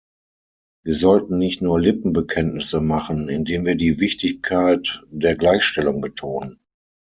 Wir sollten nicht nur Lippenbekenntnisse machen, indem wir die Wichtigkeit der Gleichstellung betonen.